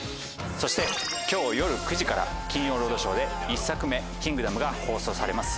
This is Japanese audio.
そして今日夜９時から『金曜ロードショー』で１作目『キングダム』が放送されます。